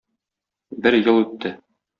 Бер ел үтте.